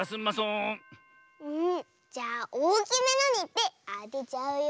んじゃあおおきめのにいってあてちゃうよ。